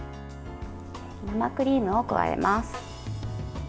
生クリームを加えます。